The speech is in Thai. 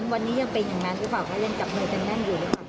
วันนี้ยังเป็นอย่างนั้นหรือเปล่าก็เล่นจับมือกันแน่นอยู่หรือเปล่า